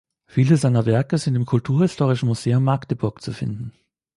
Viele seiner Werke sind im Kulturhistorischen Museum Magdeburg zu finden.